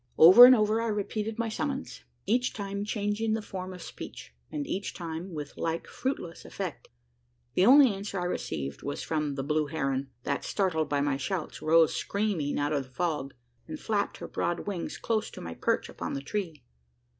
Over and over, I repeated my summons each time changing the form of speech, and each time with like fruitless effect! The only answer I received was from the blue heron, that, startled by my shouts, rose screaming out of the fog, and flapped her broad wings close to my perch upon the tree.